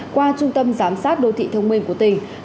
qua trung tâm giám sát đô thị thông minh của tỉnh